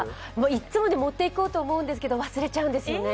いつも持っていこうと思うんですけど、忘れちゃうんですよね